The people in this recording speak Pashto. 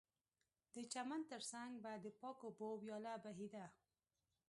د چمن ترڅنګ به د پاکو اوبو ویاله بهېده